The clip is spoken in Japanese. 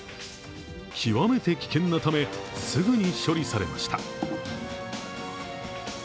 極めて危険なため、すぐに処理されました。